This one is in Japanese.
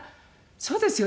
そうですよね？